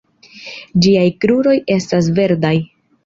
Ĝiaj kruroj estas verdaj.